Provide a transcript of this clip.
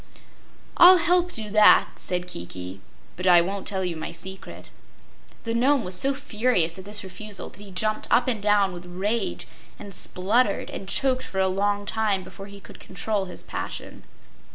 "I'll help do that," said Kiki, "but I won't tell you my secret." The Nome was so furious at this refusal that he jumped up and down with rage and spluttered and choked for a long time before he could control his passion.